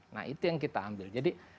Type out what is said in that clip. nah itu yang kita ambil jadi